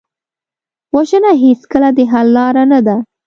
وژنه هېڅکله د حل لاره نه ده